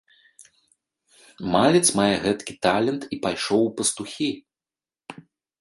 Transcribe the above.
Малец мае гэткі талент і пайшоў у пастухі!